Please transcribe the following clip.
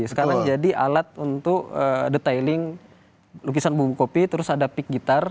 sekarang jadi alat untuk detailing lukisan bumbu kopi terus ada peak gitar